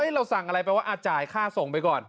เราสั่งอะไรแปลว่าจ่ายค่าส่งไปก่อน